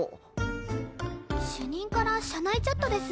主任から社内チャットです。